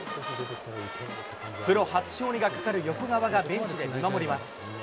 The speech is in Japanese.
プロ初勝利がかかる横川がベンチで見守ります。